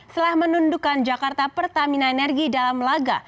setelah menundukkan jakarta pertamina energi dalam laga